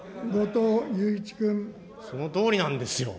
そのとおりなんですよ。